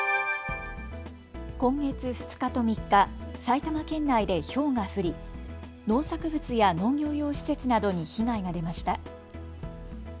今月２日と３日、埼玉県内でひょうが降り農作物や農業用施設などに被害が出ました。